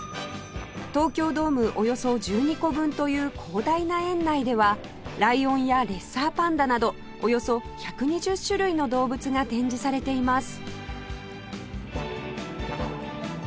東京ドームおよそ１２個分という広大な園内ではライオンやレッサーパンダなどおよそ１２０種類の動物が展示されています